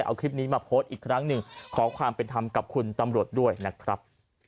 เอาคลิปนี้มาโพสต์อีกครั้งหนึ่งขอความเป็นธรรมกับคุณตำรวจด้วยนะครับ